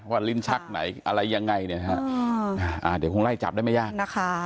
ลิ้นชักไหนอะไรยังไงเนี่ยนะฮะเดี๋ยวคงไล่จับได้ไม่ยากนะคะ